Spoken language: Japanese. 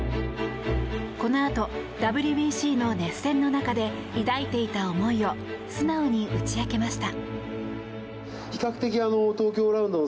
このあとＷＢＣの熱戦の中で抱いていた思いを素直に打ち明けました。